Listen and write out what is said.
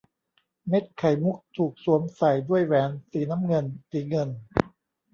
เม็ดไข่มุกถูกสวมใส่ด้วยแหวนสีน้ำเงินสีเงิน